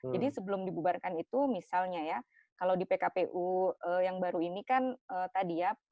jadi sebelum dibubarkan itu misalnya ya kalau di pkpu yang baru ini kan tadi ya